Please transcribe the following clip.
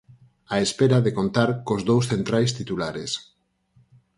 Á espera de contar cos dous centrais titulares.